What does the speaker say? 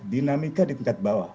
dinamika di tingkat bawah